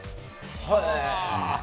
へえ！